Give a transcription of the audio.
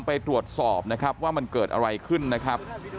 ไปตรวจสอบนะครับว่ามันเกิดอะไรขึ้นนะครับ